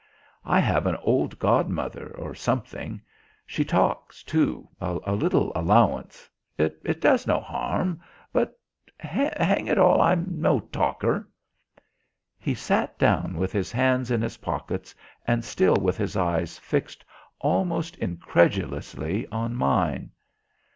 I have an old godmother, or something. She talks, too.... A little allowance: it does no harm. But, hang it all, I'm no talker." He sat down with his hands in his pockets and still with his eyes fixed almost incredulously on mine.